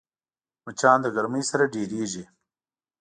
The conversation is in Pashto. مچان د ګرمۍ سره ډېریږي